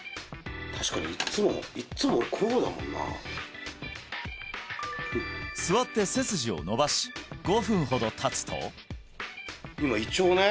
確かにいっつもいっつも俺こうだもんな座って背筋を伸ばし５分ほどたつと今一応ね